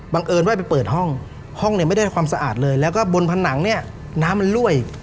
เอิญว่าไปเปิดห้องห้องเนี่ยไม่ได้ความสะอาดเลยแล้วก็บนผนังเนี่ยน้ำมันรั่วย